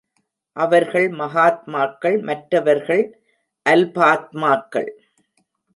அவர்கள் மகாத்மாக்கள் மற்றவர்கள் அல்பாத்மாக்கள்.